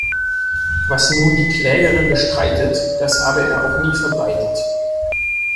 Was nun die Klägerin bestreitet, das habe er auch nie verbreitet.